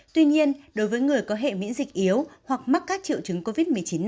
tuy nhiên đối với người có hệ miễn dịch yếu hoặc mắc các triệu chứng covid một mươi chín